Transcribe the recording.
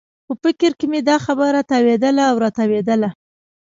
په فکر کې مې دا خبره تاوېدله او راتاوېدله.